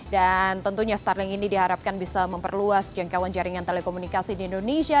dan tentunya starlink ini diharapkan bisa memperluas jangkauan jaringan telekomunikasi di indonesia